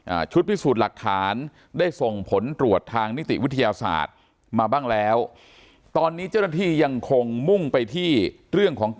อ่าชุดพิสูจน์หลักฐานได้ส่งผลตรวจทางนิติวิทยาศาสตร์มาบ้างแล้ว